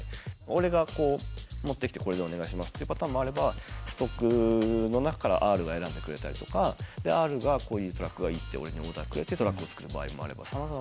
俺が持ってきて「これでお願いします」ってパターンもあればストックの中からＲが選んでくれたりとかＲがこういうトラックがいいって俺にオーダーくれてトラックを作る場合もあれば様々。